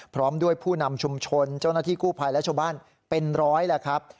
พร้อมด้วยผู้นำชุมชนเจ้าหน้าที่กู้ภัยและชาวบ้านเป็นร้อยแล้วครับ